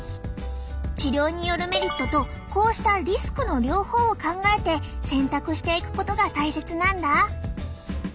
治療によるメリットとこうしたリスクの両方を考えて選択していくことが大切なんだ。